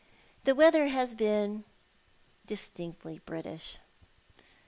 The weather has been — distinctly British.